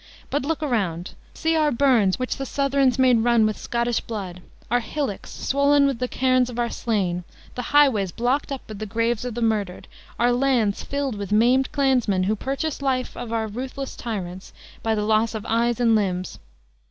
But look around! see our burns, which the Southrons made run with Scottish blood; our hillocks, swollen with the cairns of our slain; the highways blocked up with the graves of the murdered; our lands filled with maimed clansmen, who purchased life of our ruthless tyrants, by the loss of eyes and limbs!